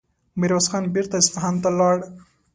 ميرويس خان بېرته اصفهان ته لاړ.